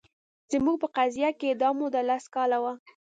زموږ په قضیه کې دا موده لس کاله وه